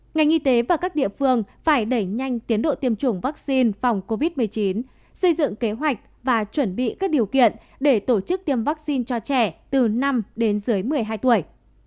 ngành y tế và các địa phương phải đẩy nhanh tiến độ tiêm chủng vaccine phòng covid một mươi chín xây dựng kế hoạch và chuẩn bị các điều kiện để tổ chức tiêm vaccine cho trẻ từ năm đến dưới một mươi hai tuổi